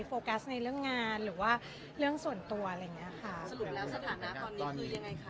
โฟกัสในเรื่องงานหรือว่าเรื่องส่วนตัวอะไรอย่างเงี้ยค่ะสรุปแล้วสถานะตอนนี้คือยังไงคะ